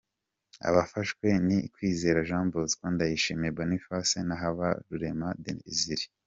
Abafashwe ni Kwizera Jean Bosco, Ndayishimiye Boniface na Habarurema Desiré.